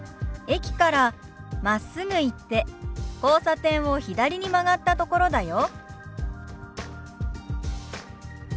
「駅からまっすぐ行って交差点を左に曲がったところだよ」。